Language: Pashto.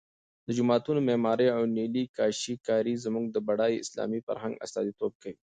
د جوماتونو معمارۍ او نیلي کاشي کاري زموږ د بډای اسلامي فرهنګ استازیتوب کوي.